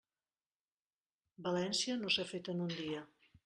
València no s'ha fet en un dia.